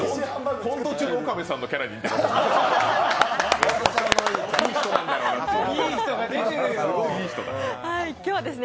コント中の岡部さんのキャラに似てますよね。